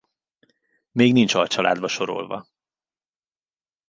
Még nincs alcsaládba sorolva.